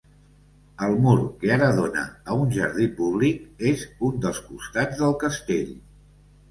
El mur, que ara dóna a un jardí públic, és un dels costats del castell.